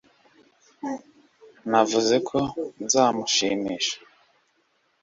navuze ko nzamushimisha